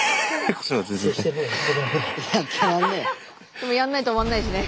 でもやんないと終わんないしね。